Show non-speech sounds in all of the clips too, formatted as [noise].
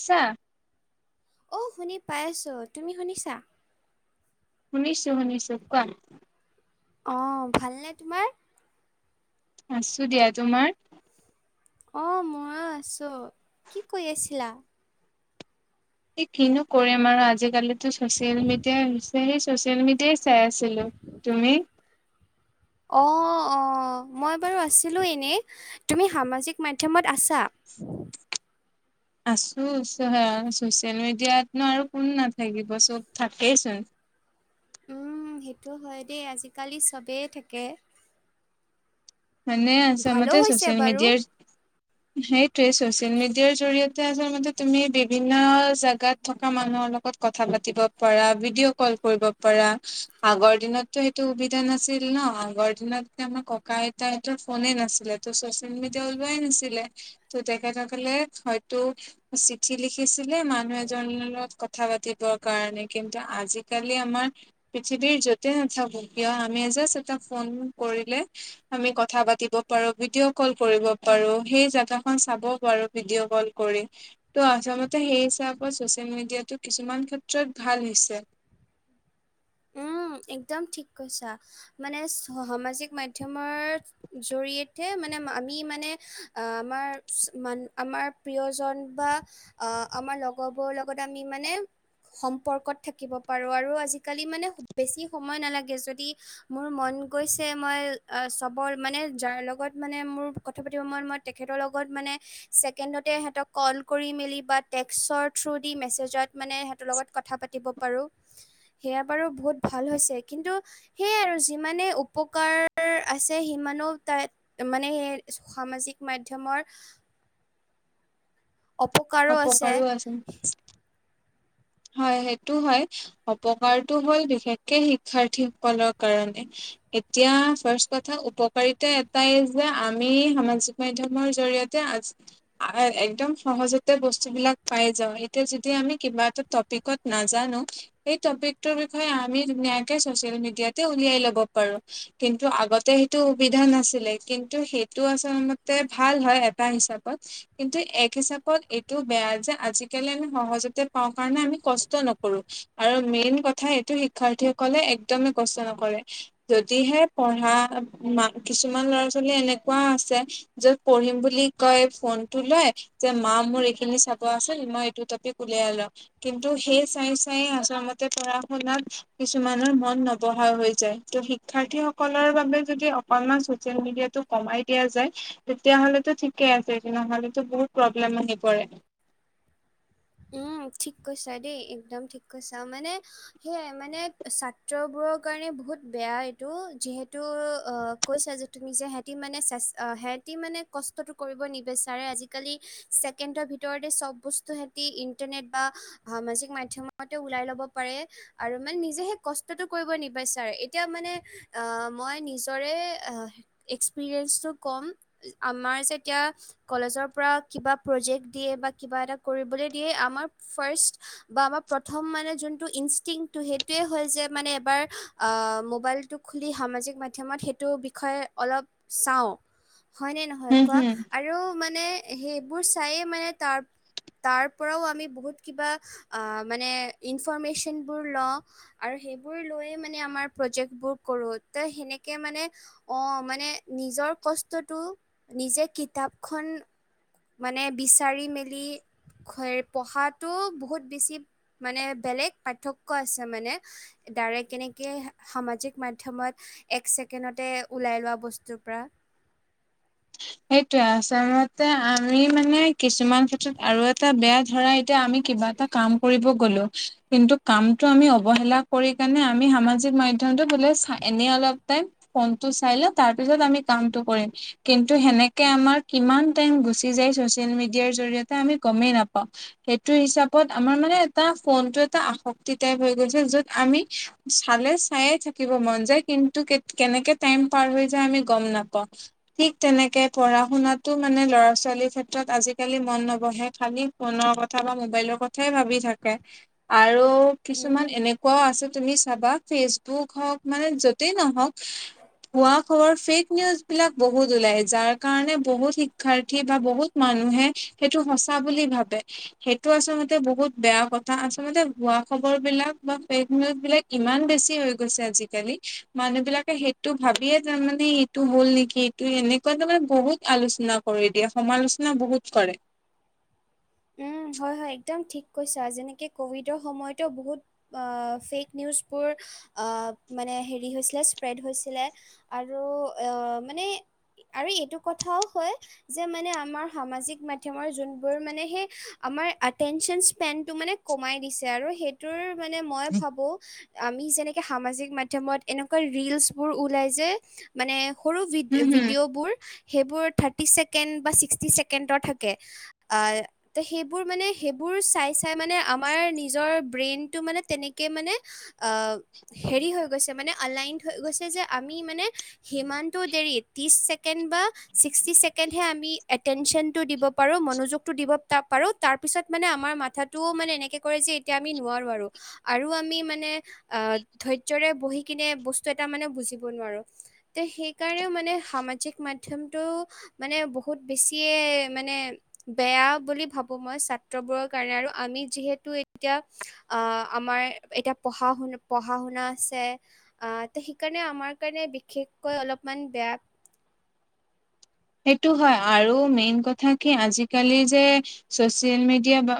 আছা! অ শুনি পাই আছো তুমি শুনিছা? শুনিছোঁ-শুনিছোঁ কোৱা। অ ভালনে তোমাৰ? আছোঁ দিয়া তোমাৰ? অঁ মই আছো কি কৰি আছিলা। ই কিনো কৰিম আৰু আজিকালিতো চচিয়েল মিডিয়াই হৈছে সেই চচিয়েল মিডিয়াই চাই আছিলো তুমি? অঁ অঁ মই বাৰু আছিলোঁ এনেই তুমি সামাজিক মাধ্যমত আছা? আছো চচিয়েল মিডিয়াতনো আৰু কোন নাথাকিব চব থাকেইচোন। উম সেইটো হয় দেই আজিকালি চবেই থাকে। মানে আছা ভালো মতে হৈছে চচিয়েল বাৰু মিডিয়া সেইটোয়ে চচিয়েল মিডিয়াৰ জৰিয়তে আচল মতে তুমি বিভিন্ন জাগাত থকা মানুহৰ লগত কথা পাতিব পাৰা৷ ভিডিঅ' কল কৰিব পাৰা আগৰ দিনত তো সেইটো সুবিধা নাছিল ন আগৰ দিনত আমাৰ ককা আইতা তৰ ফোনে নাছিলে তো ছচিয়েল মিডিয়া ওলাই নাছিলে। ত তেখেত সকলে হয়তো চিঠি লিখিছিলে মানুহ এজনৰ লগত কথা পাতিবৰ কাৰণে কিন্তু আজিকালি আমাৰ পৃথিৱীৰ য'তে নাথাকো কিয় আমি জাষ্ট এটা ফোন কৰিলে আমি কথা পাতিব পাৰো ভিডিঅ' কল কৰিব পাৰো সেই জাগাখন চাব পাৰো ভিডিঅ' কল কৰি। ত' আচলতে সেই হিচাপত চচিয়েল মিডিয়াটো কিছুমান ক্ষেত্ৰত ভাল হৈছে। উম একদম ঠিক কৈছা মানে সামাজিক মাধ্যমৰ জৰিয়তে মানে আমি মানে আমাৰ মান আমাৰ প্ৰিয়জন বা আহ আমাৰ লগৰবোৰৰ লগত আমি মানে সম্পৰ্কত থাকিব পাৰো আৰু আজি কালি মানে বেছি সময় নালাগে যদি মোৰ মন গৈছে মই চবৰ মানে যাৰ লগত মানে মোৰ কথা পাতিব মন মই তেখেতৰ লগত মানে ছেকেন্দতে হেতক কল কৰি মেলি বা টেক্সৰ থ্ৰুদি মেচেজত মানে সেতলগত কথা পাতিব পাৰু সেয়া বাৰু বহুত ভাল হৈছে কিন্তু সেয়াই আৰু যিমানে উপকাৰ আছে সিমানও তাইত মানে হে সামাজিক মাধ্যমৰ অপকাৰো আছে। হয় সেইটো হয় অপকাৰটো হ'ল বিশেষকে শিক্ষাৰ্থী সকলৰ কাৰণে। এতিয়া ফাষ্ট কথা উপকাৰিতা এটাই যে আমি সামাজিক মাধ্যমৰ জৰিয়তে আজি অ এ একদম সহজতে বস্তুবিলাক পাই যাওঁ এতিয়া যদি আমি কিবা এটা টপিকত নাজানো সেই টপিকটোৰ বিষয়ে আমি ধুনীয়াকে ছচিয়েল মিডিয়াতে উলিয়াই লব পাৰো। কিন্তু আগতে সেইটো সুবিধা নাছিলে কিন্তু সেইটো আচল মতে ভাল হয় এটা হিচাপত। কিন্তু এক হিচাপত এইটো বেয়া যে আজিকালি আমি সহজতে পাওঁ৷ কাৰণে আমি কষ্ট নকৰো। আৰু মেইন কথা এইটো শিক্ষাৰ্থীসকলে একদমেই কষ্ট নকৰে। যদিহে পঢ়া মা কিছুমান ল'ৰা ছোৱালী এনেকুৱা আছে যত পঢ়িম বুলি কই ফোনটো লয় যে মা মোৰ এইখিনি চাব আছে মই এইটো টপিক উলিয়াই লওঁ। কিন্তু সেই চাই চাই আচলতে পঢ়া শুনাত কিছুমানৰ মন নবহা হৈ যায় ত শিক্ষাৰ্থী সকলৰ বাবে যদি অক অকনমান চচিয়েল মিডিয়াটো কমাই দিয়া যায়। তেতিয়াহলেতো ঠিকে আছে নহলেতো বহুত প্ৰব্লেম আহি পৰে। উম ঠিক কৈছা দেই একদম ঠিক কৈছা মানে সেয়াই মানে ছাত্ৰ বোৰৰ কাৰণে বহুত বেয়া এইটো যিহেতু অ কৈছা যে তুমি যে হেঁতি মানে চেষ্ট অঁ হেঁতি মানে কষ্টটো কৰিব নিবিচাৰে আজিকালি৷ ছেকেণ্ডৰ ভিতৰতে চব বস্তু সেতি ইন্টাৰনেট বা সামাজিক মাধ্যমতে ওলাই লব পাৰে। আৰু মানে নিজে সেই কষ্টতটো কৰিব নিবিচাৰে এতিয়া মানে আহ মই নিজৰে এ এক্সপিৰিয়েঞ্চটো ক'ম আমাৰ যেতিয়া কলেজৰ পৰা কিবা প্ৰজেক দিয়ে বা কিবা এটা কৰিবলৈ দিয়ে আমাৰ ফাৰ্ষ্ট বা আমাৰ প্ৰথম মানে যোনটো ইনষ্টিংটো সেইটোৱেই হয় যে মানে এবাৰ অঁ মোবাইলটো খুলি সামাজিক মাধ্যমত সেইটো বিষয়ে অলপ চাওঁ। হয় নে নহয় হম কোৱা হম আৰু মানে সেইবোৰ চায়ে মানে তাৰ-তাৰ পৰাও আমি বহুত কিবা অঁ মানে ইনফৰৰ্মেশ্যনবোৰ লওঁ। আৰু সেইবোৰ লৈয়ে মানে আমাৰ প্ৰজেকবোক কৰো ত সেনেকে মানে অঁহ মানে নিজৰ কষ্টটো নিজে কিতাপখন মানে বিচাৰি মেলি সেই পঢ়াটো বহুত বেছি মানে বেলেগ পাৰ্থক্য আছে মানে, দ্বাৰাই কেনেকে সামাজিক মাধ্যমত এক ছেকেণ্ডতে ওলাই লোৱা বস্তুৰ পৰা সেইটোয়ে আচলতে আমি মানে কিছুমান ক্ষেত্ৰত আৰু এটা বেয়া ধৰা এতিয়া আমি কিবা এটা কাম কৰিব কলো, কিন্তু কামটো আমি অৱহেলা কৰি কেনে আমি সামাজিক মাই [unintelligible] বো এনে অলপ টাইম ফনটো চাই লৈ তাৰ পিছত আমি কামটো কৰিম৷ কিন্তু সেনেকে আমাৰ কিমান টাইম গুচি যায় ছচিয়েল মিডিয়াৰ জৰিয়তে আমি গমেই নাপাওঁ। সেইটো হিচাপত আমাৰ মানে এটা ফোনটো এটা আসক্তি টাইপ হৈ গৈছে য'ত আমি চালে চায়ে থাকিব মন যায় কিন্তু কে কেনেকে টাইম পাৰ হৈ যায় আমি গম নাপাওঁ৷ ঠিক তেনেকে পঢ়া শুনাতো মানে ল'ৰা ছোৱালীৰ ক্ষেত্ৰত আজিকালি মন নবহে খালি ফোনৰ কথা বা মোবাইলৰ কথা এ ভাবি থাকে আৰু কিছুমান উম এনেকুৱাও আছে তুমি চাবা ফেচ বুক হওক মানে যতেই নহওক ভুৱা খবৰ ফেক নিউজ বিলাক বহুত ওলাই যাৰ কাৰণে বহুত শিক্ষাৰ্থী বা বহুত মানুহে সেইটো সঁচা বুলি ভাবে। সেইটো আচলতে বহুত বেয়া কথা আচলতে ভোৱা খবৰ বিলাক বা ফেক নিউজ বিলাক ইমান বেছি হৈ গৈছে আজিকালি মানুহ বিলাকে সেইটো ভাবিয়ে তাৰমানে এইটো হ'ল নেকি। ত এনেকুৱা তাৰে বহুত আলোচনা কৰি দিয়ে সমালোচনা বহুত কৰে। উম হয় হয় একদম ঠিক কৈচা আৰু যেনেকে কভিডৰ সময়তো বহুত আ ফেক নিউজবোৰ আ মানে হেৰি হৈছিলে মানে স্প্ৰেড হৈছিলে। আৰু অ মানে আৰু এইটো কথাও হয় যে মানে আমাৰ সামাজিক মাধ্যমৰ যোনবোৰ মানে সে- আমাৰ আটেঞ্চন স্পেনটো মানে কমাই দিছে আৰু সে- টোৰ মানে মই ভাবোঁ আমি যেনেকে সামাজিক মাধ্যমত এনেকুৱা ৰিলচবোৰ ওলাই যে মানে সৰু ভি হম হম ভিডিঅ'বোৰ সেইবোৰ থাৰ্টি ছেকেণ্ড বা ছিক্সটি ছেকেণ্ডৰ থাকে। আ- তে সেইবোৰ মানে সেইবোৰ চাই চাই মানে আমাৰ নিজৰ ব্ৰেইনটো মানে তেনেকে মানে আহ হেৰি হৈ গৈছে মানে আলাইনড হৈ গৈছে যে আমি মানে সিমানটো দেৰি ত্ৰিশ ছেকেণ্ড বা ছিক্সটি ছেকেণ্ডহে আমি এটেনচনটো দিব পাৰো মনোযোগটো দিব তা পাৰো তাৰ পিছত মানে আমাৰ মাথাটোও মানে এনেকে কৰে যে এতিয়া আমি নোৱাৰো আৰু। আৰু আমি মানে আহ ধৈৰ্যৰে বহি কিনে বস্তু এটা মানে বুজিব নোৱাৰো। তে সেইকাৰণেও মানে সামাজিক মাধ্যমটো মানে বহুত বেছিয়ে মানে বেয়া বুলি ভাবোঁ মই ছাত্ৰবোৰৰ কাৰণে আৰু আমি যিহেতু এতিয়া আ আমাৰ এতিয়া পঢ়া শুনা পঢ়া শুনা আছে। আ তে সিকাণে আমাৰ কাৰণে বিশেষকৈ অলপমান বেয়া সেইটো হয় আৰু মেইন কথা কি আজিকালি যে ছ'চিয়েল মিডিয়া বা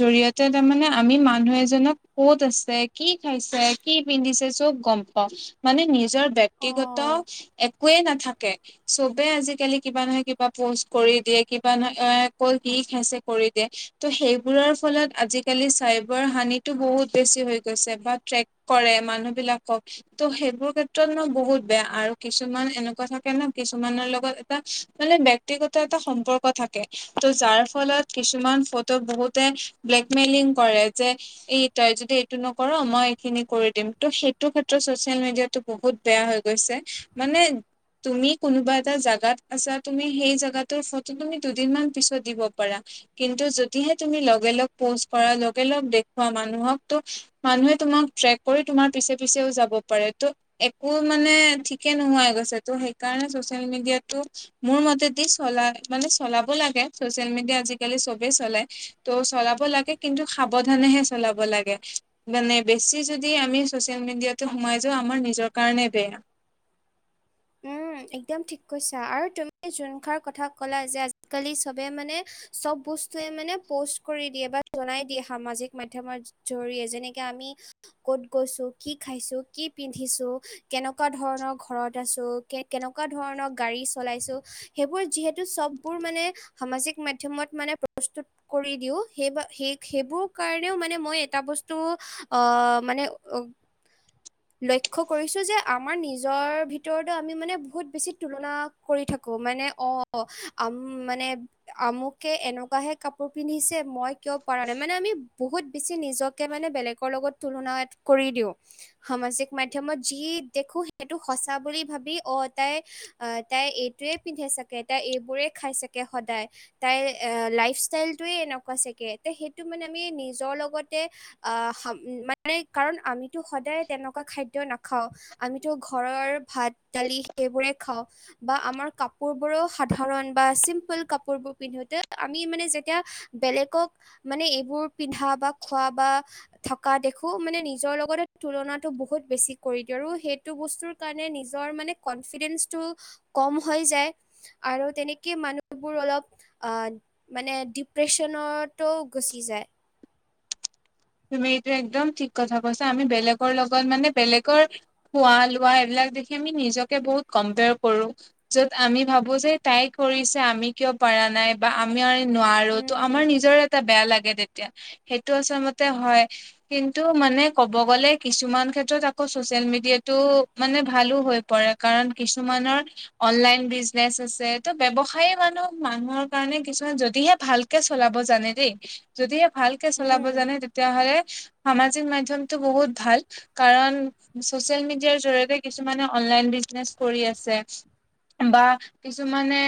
জৰিয়তে তাৰমানে আমি মানুহ এজনক ক'ত আছে, কি খাইছে, কি পিন্ধিছে, চব গম পাওঁ। মানে নিজৰ ব্যক্তিগত অ একোৱেই নাথাকে। চবে আজি- কালি কিবা নহয় কিবা পোষ্ট কৰি দিয়ে। কিবা নহয় ক কি খাইছে কৰি দিয়ে। ত সেইবোৰৰ ফলত আজিকালি চাইবাৰ হানিটো বহুত বেছি হৈ গৈছে বা ট্ৰেক কৰে মানুহবিলাকক ত সেইবোৰ ক্ষেত্ৰত ন বহুত বেয়া আৰু কিছুমান এনেকুৱা থাকে ন কিছুমানৰ লগত তাৰ, মানে ব্যক্তিগত এটা সম্পৰ্ক থাকে ত যাৰ ফলত কিছুমান ফটো বহুতে ব্লেকমেইলিং কৰে যে এইটাই যদি এইটো নকৰ মই এইখিনি কৰি দিম ত সেইটো ক্ষেত্ৰত ছ'চিয়েল মিডিয়াতো বহুত বেয়া হৈ গৈছে মানে তুমি কোনোবা এটা জাগাত আচ্ছা তুমি সেই জেগাটোৰ ফটো তুমি দুদিন মান পিছত দিব পাৰা। কিন্তু যদিহে তুমি লগে লগ পোষ্ট কৰা লগে লগ দেখুৱা মানুহক ত মানুহে তোমাক ট্ৰেক কৰি তোমাৰ পিছে পিছেও যাব পাৰে ত একো মানে ঠিকে নোহোৱাই গৈছে ত সেইকাৰণে চচিয়েল মিডিয়াটো মোৰ মতেদি চলা মানে চলাব লাগে ছ'চিয়েল মিডিয়া আজিকালি চবেই চলাই। ত চলাব লাগে কিন্তু সাৱধানেহে চলাব লাগে। মানে বেছি যদি আমি ছ'চিয়েল মিডিয়াটো সোমাই যাওঁ আমাৰ নিজৰ কাৰণে বেয়া। উম একদম ঠিক কৈছা আৰু তুমি যোনখাৰ কথা ক'লা যে আজিকালি চবে মানে চব বস্তুয়ে মানে পোষ্ট কৰি দিয়ে বা জনাই দিয়ে সামাজিক মাধ্যমত জৰিয়ে যেনেকে আমি কত গৈছো, কি খাইছো, কি পিন্ধিছো, কেনেকুৱা ধৰণৰ ঘৰত আছো, কেনেকুৱা ধৰণৰ গাড়ী চলাইছো সেইবোৰ যিহেতু চববোৰ মানে সামাজিক মাধ্যমত মানে প্ৰস্তুত কৰি দিও সেইব সেই সেইবোৰ কাৰণেও মানে মই এটা বস্ত- টো অ মানে লক্ষ্য কৰিছোঁ যে আমাৰ নিজৰ ভিতৰতো আমি মানে বহুত বেছি তুলনা কৰি থাকো মানে অ আম মানে আমুকে এনেকুৱাহে কাপোৰ পিন্ধিছে মই কিয় পৰা নাই মানে আমি বহুত বেছি নিজক মানে বেলেগৰ লগত তুলনা কৰি দিও সামাজিক মাধ্যমত যি দেখো সেইটো সঁচা বুলি ভাবি অ তাই আহ তাই এইটোৱে পিন্ধে চাগে তাই এইবোৰেই খাই চাগে সদায় তাইৰ লাইফ ষ্টাইলটোৱে এনেকুৱা চাগে সেইটো মানে আমি নিজৰ লগতে আহ মানে কাৰণ আমিতো সদায় তেনেকুৱা খাদ্য না খাওঁ আমিতো ঘৰৰ ভাত দালি সেইবোৰে খাওঁ বা আমাৰ কাপোৰ বোৰো সাধাৰণ বা চিম্পুল কাপোৰ বোৰ পিন্ধোতে আমি মানে যেতিয়া বেলেগক মানে এইবোৰ পিন্ধা বা খোৱা বা থকা দেখো মানে নিজৰ লগতে তুলনাত টো বহুত বেছি কৰি দিওঁ আৰু সেইটো বস্তুৰ কাৰণে নিজৰ মানে কনফিডেন্ঞ্চটো কম হৈ যায় আৰু তেনেকে মানুহবোৰ অলপ মানে ডিপ্ৰেশ্যনতো গুচি যায় তুমি এইটো একদম ঠিক কথা কৈছা আমি বেলেগৰ লগত মানে বেলেগৰ খোৱা লোৱা এইবিলাক দেখি আমি নিজকে বহুত কম্পেয়াৰ কৰো য'ত আমি ভাবো যে তাই কৰিছে আমি কিয় পৰা নাই বা আমি আৰু নোৱাৰো তো উম আমাৰ নিজৰ এটা বেয়া লাগে তেতিয়া সেইটো আচমতে হয় কিন্তু মানে ক'ব গ'লে কিছুমান ক্ষেত্ৰত আকৌ চচিয়েল মিডিয়াটো মানে ভালো হৈ পৰে কাৰণ কিছুমানৰ অনলাইন বিজনেচ আছে ত ব্যৱসায় মানুহ মানুহৰ কাৰণে কিছুমান যদিহে ভাল কে চলাব জানে দেই যদিহে ভালকে চলাব উম জানে তেনে হলে সামাজিক মাধ্যমটো বহুত ভাল কাৰণ ছচিয়েল মিডিয়াৰ জৰিয়তে কিছুমানে অনলাইন বিজনেছ কৰি আছে। বা কিছুমানে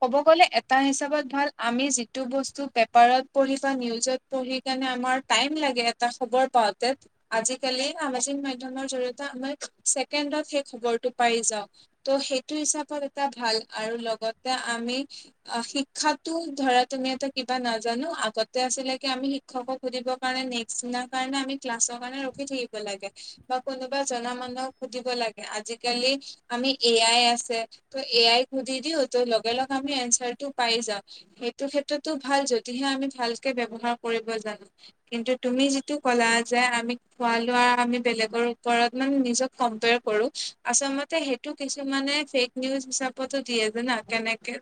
ক'ব গ'লে এটা হিচাপত ভাল আমি যিটো বস্তু পেপাৰত পঢ়ি বা নিউজত পঢ়ি কেনে আমাৰ টাইম লাগে এটা খবৰ পাওঁতে। আজিকালি সামাজিক মাধ্যমৰ জৰিয়তে আমাৰ ছেকেণ্ডত সেই খবৰটো পাই যাওঁ ত' সেইটো হিচাপত এটা ভাল আৰু লগতে আমি অ শিক্ষাটো ধৰা তুমি এটা কিবা নাজানো আগতে আছিলেকে আমি শিক্ষকক সুধিব কাৰণে নেক্স দিনাৰ কাৰণে আমি ক্লাছৰ কাৰণে ৰখি থাকিব লাগে বা কোনোবা জনা মানুহক সুধিব লাগে আজিকালি আমি এ আই আছে ত এ আই সুধি দিও ত লগে লগে আমি এনচাৰটো পাই যাও সেইটো ক্ষেত্ৰতো ভাল যদিহে আমি ভালকে ব্যৱহাৰ কৰিব জানো। কিন্তু তুমি যিটো ক'লা যে আমি খোৱা লোৱা আমি বেলেগৰ ওপৰত মানে নিজক কম্পেয়াৰ কৰো আচমতে সেইটো কিছুমানে ফেক নিউজ হিচাপতো দিয়ে জানা কেনেকে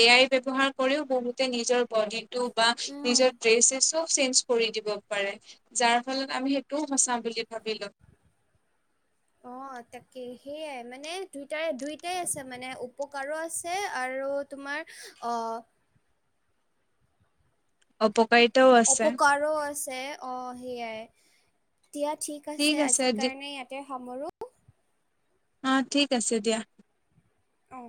এ আই ব্যৱহাৰ কৰিও বহুতে নিজৰ বডি টো বা উম নিজৰ ড্ৰেছেব চব চেঞ্জ কৰি দিব পাৰে। যাৰ ফলত আমি সেইটোও সচাও বুলি ভাবি লও। অ, তাকে সেয়াই মানে দুইটাই - দুইটাই আছে মানে উপকাৰো আছে আৰু তোমাৰ অ, অপকাৰিতও অপকাৰো আছে অ, সেয়াই এতিয়া ঠিক আছে আজিৰ কাৰণে ইয়াত তে সামৰো। অ, ঠিক আছে দিয়া। অ',